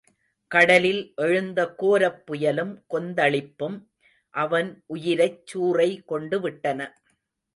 கடலில் எழுந்த கோரப் புயலும் கொந்தளிப்பும் அவன் உயிரைச் சூறை கொண்டுவிட்டன.